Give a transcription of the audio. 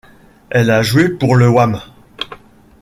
Elle a joué pour le Wam!